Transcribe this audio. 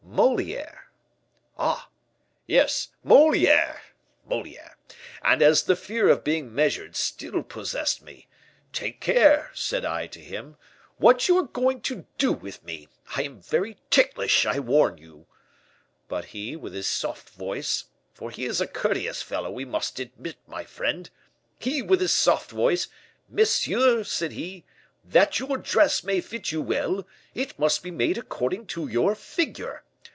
"Moliere!" "Ah! yes, Moliere Moliere. And as the fear of being measured still possessed me, 'Take care,' said I to him, 'what you are going to do with me; I am very ticklish, I warn you.' But he, with his soft voice (for he is a courteous fellow, we must admit, my friend), he with his soft voice, 'Monsieur,' said he, 'that your dress may fit you well, it must be made according to your figure.